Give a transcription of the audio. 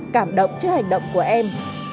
cảm động trước hành động của em